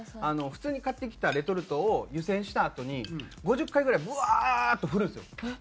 普通に買ってきたレトルトを湯せんしたあとに５０回ぐらいブワーッと振るんですよ。